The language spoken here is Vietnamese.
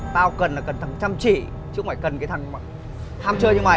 tao cần là cần thằng chăm chỉ chứ không phải cần cái thằng ham chơi như mày